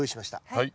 はい。